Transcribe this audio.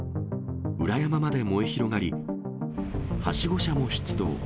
裏山まで燃え広がり、はしご車も出動。